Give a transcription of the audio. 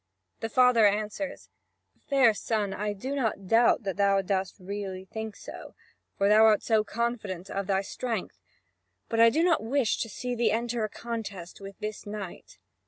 The father answers: "Fair son, I do not doubt that thou dost really think so, for thou art so confident of thy strength. But I do not wish to see thee enter a contest with this knight."